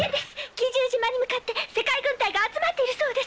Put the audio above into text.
奇獣島に向かって世界軍隊が集まっているそうです！